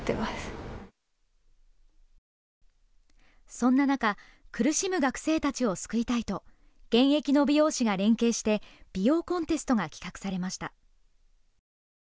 そんな中、苦しむ学生たちを救いたいと現役の美容師が連携して美容コンテストが企画されました。